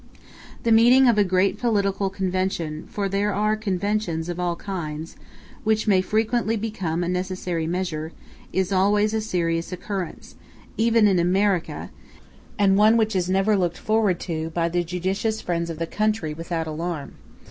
The meeting of a great political Convention (for there are Conventions of all kinds), which may frequently become a necessary measure, is always a serious occurrence, even in America, and one which is never looked forward to, by the judicious friends of the country, without alarm.